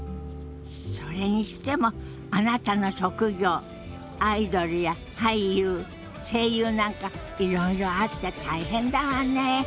それにしてもあなたの職業アイドルや俳優声優なんかいろいろあって大変だわね。